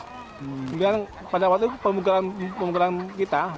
kemudian pada waktu pemukulan kita